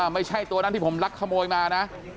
ไม่ใช่ตัวนั้นที่ผมลักขโมยมานะ